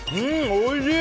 おいしい！